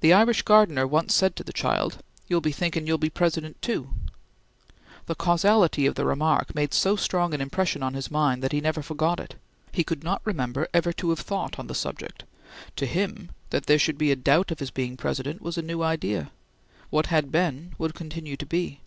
The Irish gardener once said to the child: "You'll be thinkin' you'll be President too!" The casuality of the remark made so strong an impression on his mind that he never forgot it. He could not remember ever to have thought on the subject; to him, that there should be a doubt of his being President was a new idea. What had been would continue to be.